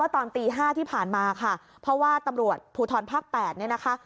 ตอนตี๕ที่ผ่านมาค่ะเพราะว่าตำรวจภูทรภาค๘เนี่ยนะคะ